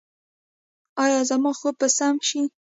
ایا زما خوب به سم شي؟